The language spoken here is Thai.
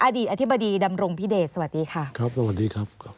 อดีตอธิบดีดำรงพิเดชสวัสดีค่ะครับสวัสดีครับครับ